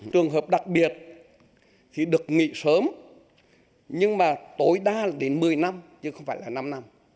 trường hợp đặc biệt thì được nghỉ sớm nhưng mà tối đa là đến một mươi năm chứ không phải là năm năm